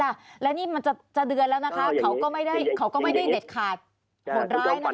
และนี่มันจะเดือนแล้วนะคะเขาก็ไม่ได้เน็ตขาด